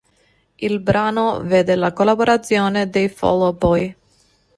Il brano vede la collaborazione dei Fall Out Boy.